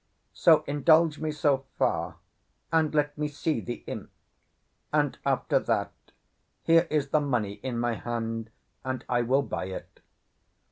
So indulge me so far, and let me see the imp; and, after that, here is the money in my hand, and I will buy it."